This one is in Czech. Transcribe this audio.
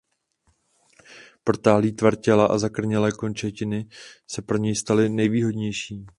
Protáhlý tvar těla a zakrnělé končetiny se pro něj staly nejvýhodnější.